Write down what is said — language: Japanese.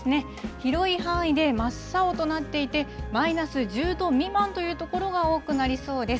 広い範囲で真っ青となっていて、マイナス１０度未満という所が多くなりそうです。